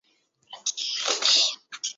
韦陟人。